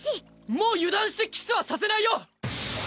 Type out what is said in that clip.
もう油断してキスはさせないよ！